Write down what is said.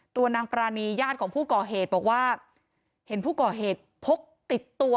ตัวนางปรานีญาติของผู้ก่อเหตุบอกว่าเห็นผู้ก่อเหตุพกติดตัว